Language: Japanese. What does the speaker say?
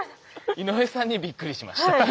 井上さんにびっくりしました。